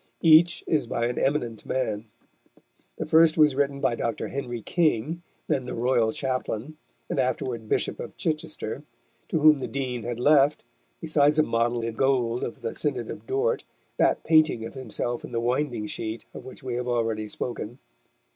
Each is by an eminent man. The first was written by Dr. Henry King, then the royal chaplain, and afterward Bishop of Chichester, to whom the Dean had left, besides a model in gold of the Synod of Dort, that painting of himself in the winding sheet of which we have already spoken.